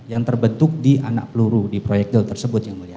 yang terbentuk di anak peluru di proyektil tersebut yang mulia